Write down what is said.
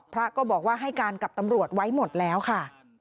พระก็บอกว่าให้การกับตำรวจไว้หมดแล้วค่ะ